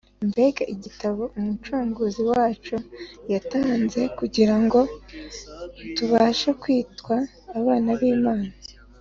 mbega igitambo umucunguzi wacu yatanze kugira ngo tubashe kwitwa abana b’imana!